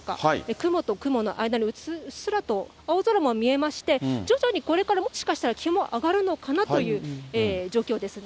雲と雲の間に、うっすらと青空も見えまして、徐々にこれから、もしかしたら、気温も上がるのかなという状況ですね。